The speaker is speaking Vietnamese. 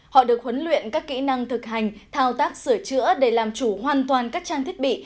họ được huấn luyện các kỹ năng thực hành thao tác sửa chữa để làm chủ hoàn toàn các trang thiết bị